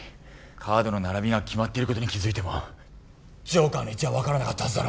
カードの並びが決まってることに気付いてもジョーカーの位置は分からなかったはずだろ。